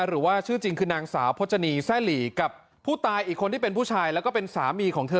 หรือว่าชื่อจริงคือนางสาวพจนีแซ่หลีกับผู้ตายอีกคนที่เป็นผู้ชายแล้วก็เป็นสามีของเธอ